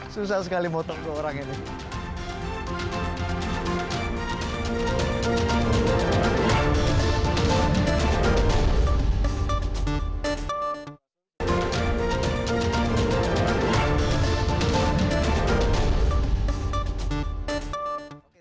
susah sekali mau tonton orang ini